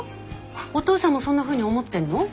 おとうさんもそんなふうに思ってんの？